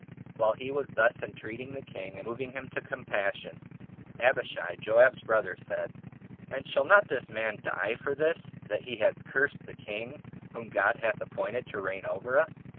While he was thus entreating the king, and moving him to compassion, Abishai, Joab's brother, said, "And shall not this man die for this, that he hath cursed that king whom God hath appointed to reign over us?"